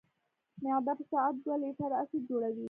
معده په ساعت دوه لیټره اسید جوړوي.